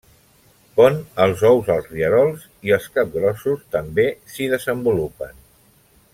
Pon els ous als rierols i els capgrossos també s'hi desenvolupen.